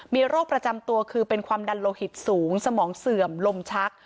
มีโรคประจำตัวคือเป็นความดันโลหิตสูงสมองเสื่อมลมชัก